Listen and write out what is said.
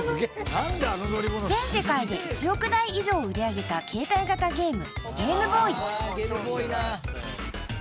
［全世界で１億台以上売り上げた携帯型ゲーム］